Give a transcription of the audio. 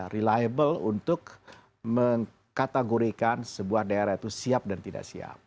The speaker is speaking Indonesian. reliable untuk mengkategorikan sebuah daerah itu siap dan tidak siap